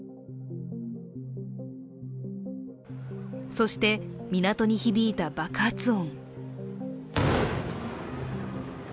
そして、港に響いた爆発音。